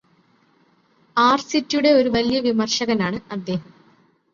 ആർസിറ്റിയുടെ ഒരു വലിയ വിമർശകനാണ് അദ്ദേഹം.